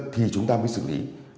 thì chúng ta mới xử lý